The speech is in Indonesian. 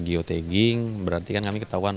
geotagging berarti kan kami ketahuan